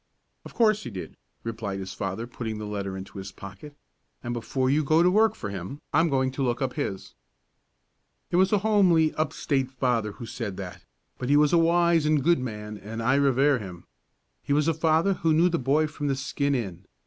"Of course he did," replied the father, putting the letter into his pocket; "and before you go to work for him I'm going to look up his." It was a homely, up state father who said that, but he was a wise and a good man and I revere him. He was a father who knew the boy from the skin in.